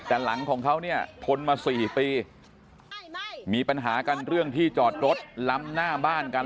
แต่หลังของเขาเนี่ยทนมาสี่ปีมีปัญหากันเรื่องที่จอดรถล้ำหน้าบ้านกัน